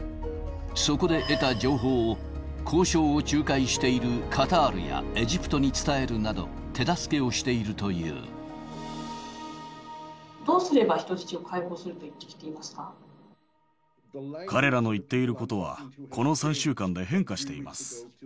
そこで得た情報を、交渉を仲介しているカタールやエジプトに伝えるなど、どうすれば人質を解放すると彼らの言っていることは、この３週間で変化しています。